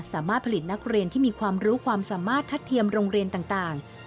สามารถผลิตนักเรียนที่มีความรู้ความสามารถทัดเทียมโรงเรียนต่าง